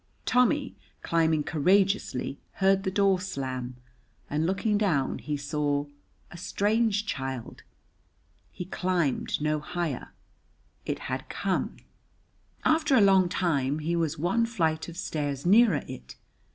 Tommy, climbing courageously, heard the door slam, and looking down he saw a strange child. He climbed no higher. It had come. After a long time he was one flight of stairs nearer it.